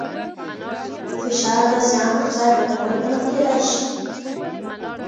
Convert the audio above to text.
فشار د زیان پر ځای ګټور ګڼل کېدای شي.